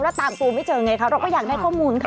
แล้วตามตัวไม่เจอไงคะเราก็อยากได้ข้อมูลค่ะ